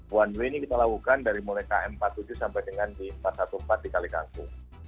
one way ini kita lakukan dari mulai km empat puluh tujuh sampai dengan di empat ratus empat belas di kalikangkung